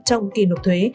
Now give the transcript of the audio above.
trong kỳ luộc thuế